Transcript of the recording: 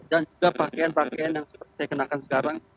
dan juga pakaian pakaian yang seperti yang saya kenalkan sekarang